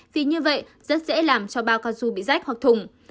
vì như vậy rất dễ làm cho bao cao su bị rách hoặc thùng